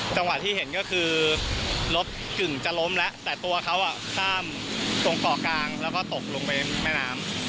จังหวะที่เห็นก็คือรถกึ่งจะล้มแล้วแต่ตัวเขาข้ามตรงเกาะกลางแล้วก็ตกลงไปแม่น้ำ